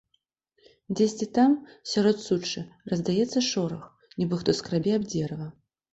Дзесьці там, сярод сучча раздаецца шорах, нібы хто скрабе аб дзерава.